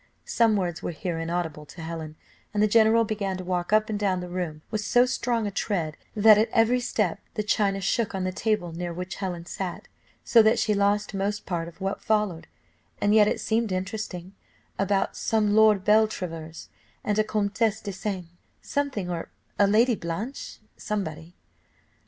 Some words were here inaudible to Helen, and the general began to walk up and down the room with so strong a tread, that at every step the china shook on the table near which Helen sat, so that she lost most part of what followed, and yet it seemed interesting, about some Lord Beltravers, and a Comtesse de Saint something, or a Lady Blanche somebody.